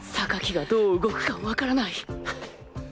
がどう動くかわからない